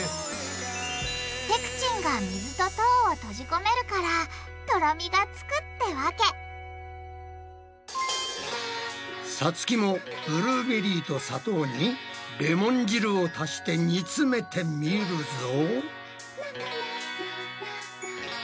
ペクチンが水と糖を閉じ込めるからとろみがつくってわけさつきもブルーベリーと砂糖にレモン汁を足して煮詰めてみるぞ。